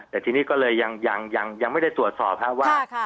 แต่ทีนี้ก็เลยยังยังยังยังไม่ได้ตรวจสอบฮะค่ะค่ะ